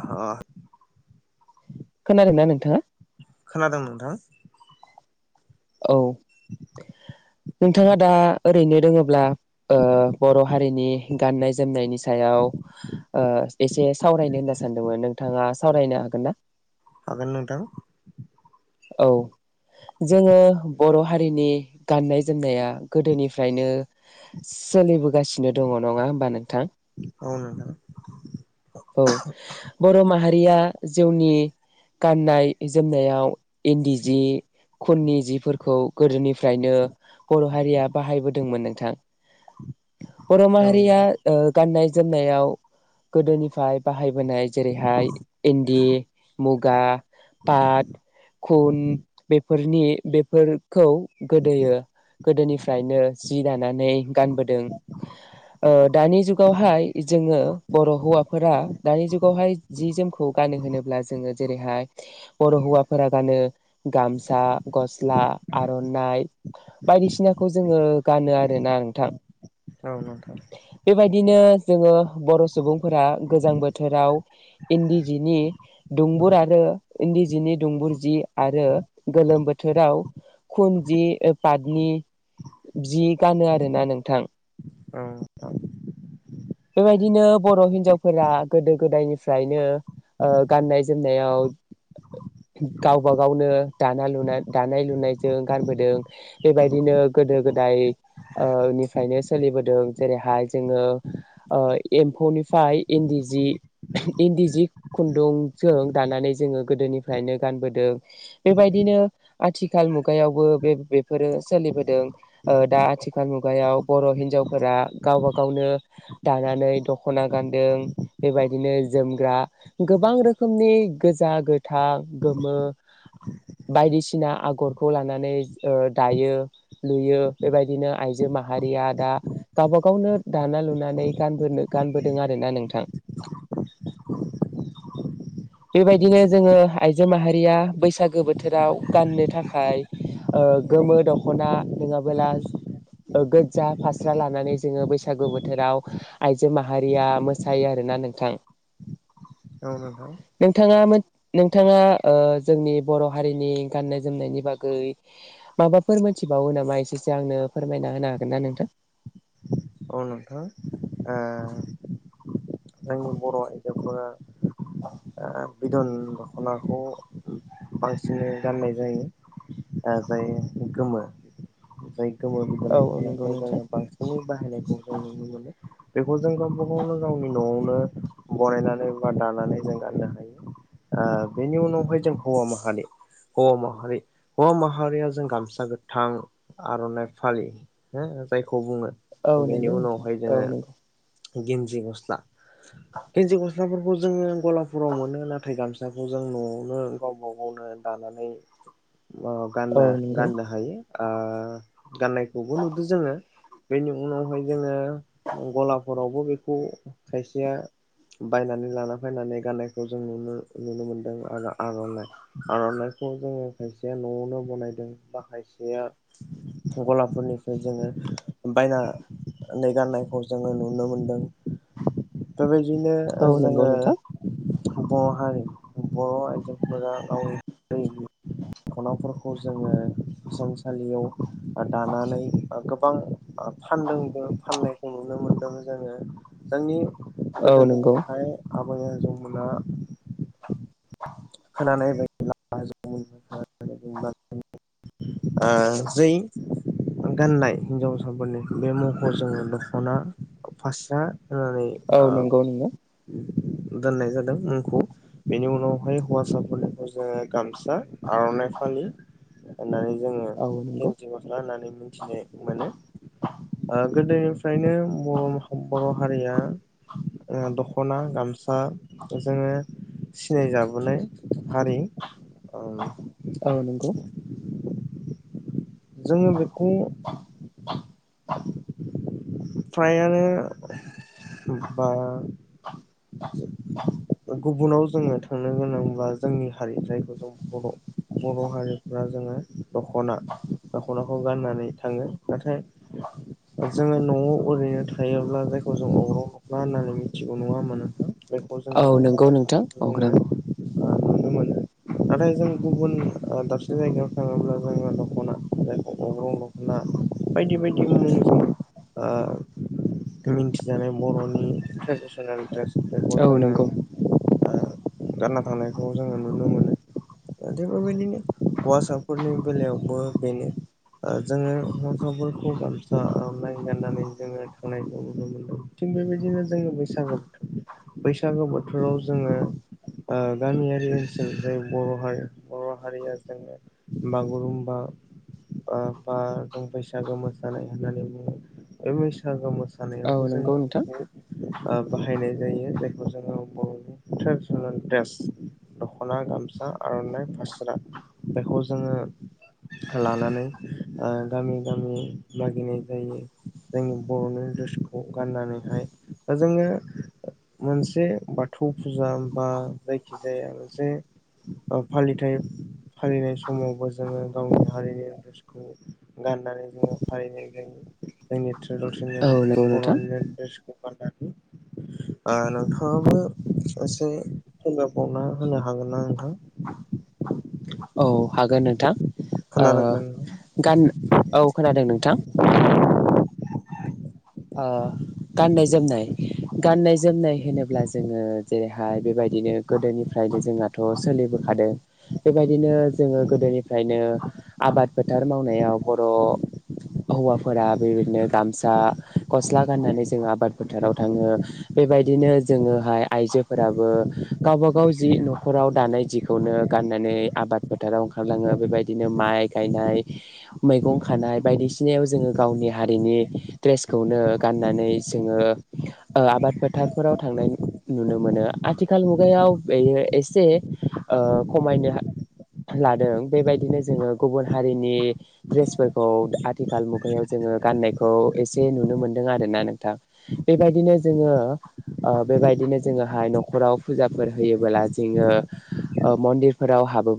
ह खोनादोंना नोंथाङा? खोनादों नोंथां। औ नोंथाङा दा ओरैनो दोङोब्ला ओ बर'हारिनि गाननाय जोमनायनि सायाव ओ एसे सावरायनो होनना सानदोंमोन नोंथाङा सावरायनो हागोन ना? हागोन नोंथां। औ जोङो बर' हारिनि गाननाय जोमनाया गोदोनिफ्रायनो सोलिबो होगासिनो दङ नङा होनोमबा नोंथां। औ नोंथां औ बर' माहा रिया जिउनि गाननाय जोमनायाव इन्दि जि खुननि जिफोरखौ गोदोनिफ्रायनो बर' हारिया बाहायबोदोंमोन नोंथां। बर' औ माहारिया नोंथां ओ गाननाय जोमनायाव गोदोनिफ्राय बाहाय नाय जेरैहाय इन्दि मुग गा पात खुन बेफोरनि बेफोर खौ गोदोयो गोदोनिफ्रायनो जि दानानै गानबोदों ओ दानि जुग दहाय जोङो बर' हौवाफोरा दानि जुगावहाय जि जोमखौ गानो होनोब्ला जोङो जेरैहाय बर' हौवाफोरा गानो गामसा गस्ला आर'नाइ बायदिसिनाखौ जोङो गानो आरोना नोंथां। औ नोंथां। बेबायदिनो जोङो बर' सुबुंफोरा गोजां बोथोराव इन्दि जिनि दुंबुर आरो इन्दि जिनि दुंबुर जि आरो गोलोम बोथोराव खुन जि पातनि जि गानो आरोना नोंथां। औ गानो। बेबायदिनो बर' हिनजावफोरा गोदो गोदायनिफ्रायनो ओ गाननाय जोमनायाव गावबा गावनो दाना लु दानाय लुनायजों गानबोदों बेबायदिनो गोदो गोदाय निफ्रायनो सोलिबोदों जेरैहाय जोङो ओ एम्फौनिफ्राय इन्दि जि इन्दि जि खुन्दुंजों दानानै जोङो गोदोनिफ्रायनो गानबोदों बेबायदिनो आथिखाल मुगायावबो बे बेफोरो सोलिबोदों दा आथिखाल मुगायाव बर' हिन्जावफोरा गावबा गावनो दानानै दख'ना गानदों बेबायदिनो जोमग्रा गोबां रोखोमनि गोजा गोथां गोमो बायदिसिना आगरखौ लानानै ओ दायो लुयो बेबायदिनो आइजो माहारिया दा गावबा गावनो दाना लु नानै गानबोनो गानबोदों आरोना नोंथां। बेबायदिनो जोङो आइजो माहारिया बैसागो बोथोराव गाननो थाखाय ओ गोमो दख'ना नङाबोला गोजा फास्रा लानानै जोङो बैसागु बोथोराव आइजो माहारिया मोसायो आरोना नोंथां। [inaudible] औ नोंथां। नोंथाङा नोंथाङा ओ जोंनि बर' हारिनि गाननाय जोमनायनि बागै माबाफोर मोनथिबावो नामा एसेसो आंनो फोरमायना होनो हागोन ना नोंथां? औ नोंथां ओ जोंनि बर' आइजोफोरा ओ बिदन दख'नाखौ बांसिनै गाननाय जायो ओ जाय गोमो जाय गोमो बिदन औ औ नंगौ दखनाखौ नोंथां जोङो बांसिनै होनायखौ जों नुनो मोनो बेखौ जों गावबा गावनो गावनि न'आवनो बनायनानै बा दानानै जों गाननो हायो ओ बेनि उनावहाय जों हौवा माहारि हौवा माहारि हौवा माहारिया जों गामसा गोथां आर'नाइ फालि हो जायखौ बुङो। औ नोंगौ नोंथां औ नोंगौ। गेनजि गस्ला। गेनजि गस गस्लाफोरखौ जोङो गलाफोराव मोनो नाथाय गामसाखौ जों न'आवनो गावब गावनो दानानै अ औ गानना नंगौ गाननो हायो। ओ गाननायखौबो नुदो जोङो। बेनि उनावहाय जोङो गलाफोरावबो बेखौ खायसेया बायनानै लाना फायनानै गाननायखौ जों नुनो नुनो मोनदों आरो आर'नाइ आर'नाइखौ जोङो खायसेया न'आवनो बनायदों बा खायसेया गलाफोरनिफ्राय जोङो बायना नै गाननायखौ जोङो नुनो मोनदों बेबायद बिदिनो औ नंगौ जोङो नोंथां बर' हारि बर'आइजोेंफोरा गाव नि दखनाफोरखौ जोङो हिसानसालियाव बा दानानै बा गोबां ओ फानदोंबो फाननायखौ नुनो मोनदों जोङो जोंनि औ गोदो नंगौ गोदायहाय आब माने आजौ मोना खोनानाय बायदिब्ला [unintelligible] ओ जै गाननाय हिनजावसाफोरनि बे मुंखौ जो दख'ना फास्रा नुनानैै औ आब नंगौ नोंथां दोननाय जादों मुंखौ बेनि उनावहाय हौवासाफोरनिखौ जोंङो गामसा आर'नाइ फालि होननानै जोंङो औ नंगौ गेनजि गस्ला होननानै मिथिनो मोनो ओ गोदोनिफ्रायनो बर बर' हारिया ओ दख'ना गामसा जोंङो सिनाय जाबोनाय। हारि ओ औ नंगौ जोंङो बेखौ फ्रायानो बा गुबुनाव जोंङो थांनो गोनांब्ला जोंनि हारि जायखौ जों बर' बर' हारिफ्रा जोंङो दख'ना दख'नाखौ गाननानै थांङो नाथाय जोंङो न'आव ओरैनो थायोब्ला जायखौ जों अग्रं दख'ना होननानै मिथिगौ नङा होमबा नोंथां? बेखौ औ जोंङो नंगौ गानना नोंथां थानायखौ औ जोंङो ओ नुनो मोनो। नाथाय जों गुबुन ओ दाबसे जायगायाव थांङोब्ला जोंङो दख'ना जायखौ अं दख'ना बायदि बायदि मुंजों ओ मिन्थिजानाय बर'नि ट्रेदिसनेल द्रेस बेखौ औ जोंङो नंगौ ओ गानना थांनायखौ जोंङो नुनो मोनो थिग बेबायदिनो हौवासाफोरनि बेलायावबो बेनो जोंङो हौवासाफोरखौ गामसा गाननानै जोङो थांनायखौ नुनो मोनदों थिग बेबायदिनो जोङो बैसागु बोथोर बैसागो बोथोराव जोंङो ओ गामियारि ओनसोल जेरै बर' हारि बर' हारिया जोंङो बागुरुमबा ओ बा जों बैसागो मोसानाय होननानै बुंङो। बे बैसागो मोसानायाव औ नंगौ नोंथां ओ बाहायनाय जायो जायखौ जोंङो बर'नि ट्रेडिसनेल दड्रेस दख'ना गामसा आर'नाइ फास्रा बेखौ जोंङो लानानै गामि गामि मागिनाय जायो जोंनि बर'नि ड्रेसखौ गाननानैहाय दा जोंङो मोनसे बाथौ फुजा बा जायखिजाया मोनसे फालिथाय फालिनाय समावबो जोंङो गावनि हारिनि ड्रेसखौ गाननानै जोंङो फालिनाय जायो जोंनि ट्रेडिसेनेल औ नंगौ नोंथां बर'निे द्रेसखौ गान्नानै नोंथाङाबो एसे फोरमायबावना होनो हागोन ना नोंथां औ हागोन नोंथां ओ खोनादों ना नोंथां? गान औ खोनादों नोंथां गाननाय जोमनाय गाननाय जोमनाय होनोब्ला जोङो जेरैहाय बेबायदिनो गोदोनिफ्रायनो जोंनााथ' सोलिबोखादों बेबायदिनो जोंङो गोदोनिफ्रायनो आबाद फोथार मावनायाव बर' हौवाफोरा बेबायदिनो गामसा गस्ला गाननानै जोंङ आबाद फोथाराव थाङो बेबायदिनो जोङोहाय आइजोफोराबो गावब गाव जि न'खराव दानाय जिखौनो गाननानै आबाद फोथाराव ओंखारलाङो बेबायदिनो माइ गायनाय मैगं खानाय बायदिसिनायाव जोंङो गावनि हारिनि दड्रेसखौनो गाननानै जोंङो आबाद फोथारफोराव थांनाय नुनो मोनो आथिखाल मुगायाव बेयो एसे खमायनो लादों बेबायदिनो जोंङो गुबुन हारिनि द्रेसफोरखौ आथिखाल मुगायाव जोंङो गाननायखौ एसे नुनो मोबेबिलन्दों आरो ना नोंथां बेबादिनो जोंडीओ नख'राव फुजाफोर होयोब्ला जोंओ मन्दिर फोराव हाबोब्ला